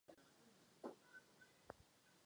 Velitelem se stal Alfred Fletcher.